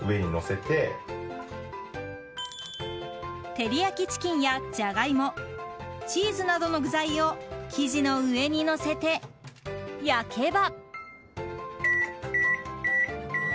照り焼きチキンやジャガイモ、チーズなどの具材を生地の上にのせて、焼けば。